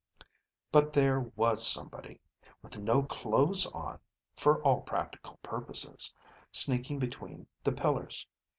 But there was somebody, with no clothes on (for all practical purposes) sneaking between the pillars.